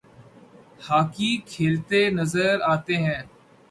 hockey کھیلتے نظر آتے ہیں